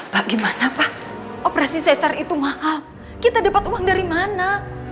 pak gimana pak operasi sesar itu mahal kita dapat uang dari mana